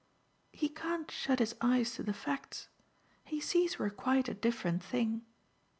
"He can't shut his eyes to the facts. He sees we're quite a different thing."